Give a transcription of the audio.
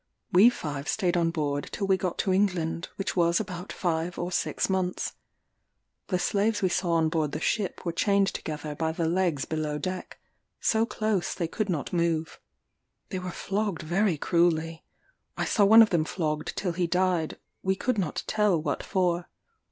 We five staid on board till we got to England, which was about five or six months. The slaves we saw on board the ship were chained together by the legs below deck, so close they could not move. They were flogged very cruelly: I saw one of them flogged till he died; we could not tell what for.